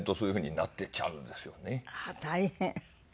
あっ大変。